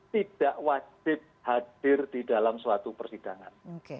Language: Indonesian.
tidak wajib hadir di dalam suatu persidangan